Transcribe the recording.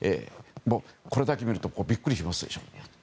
これだけ見るとビックリしますでしょ。